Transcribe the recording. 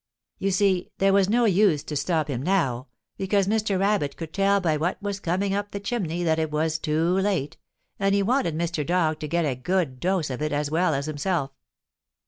You see there was no use to stop him now, because Mr. Rabbit could tell by what was coming up the chimney that it was too late, and he wanted Mr. Dog to get a good dose of it as well as himself.